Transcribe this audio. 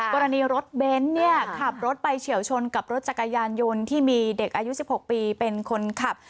กรณีรถเบนท์เนี่ยขับรถไปเฉียวชนกับรถจักรยานยนต์ที่มีเด็กอายุ๑๖ปีเป็นคนขับ